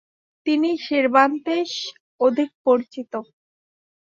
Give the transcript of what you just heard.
তিনি সের্বান্তেস অধিক পরিচিত।